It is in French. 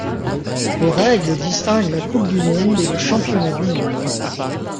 Les règles distinguent la Coupe du monde et le championnat du monde.